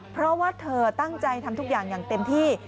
เพราะว่าเธอตั้งใจทำทุกอย่างอย่างเต็มที่